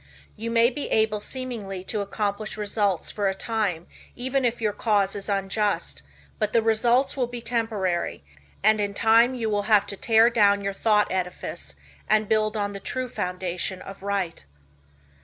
You may be able seemingly to accomplish results for a time even if your cause is unjust, but the results will be temporary, and, in time, you will have to tear down your thought edifice and build on the true foundation of Right.